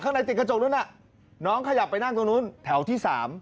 ในติดกระจกนู้นน่ะน้องขยับไปนั่งตรงนู้นแถวที่๓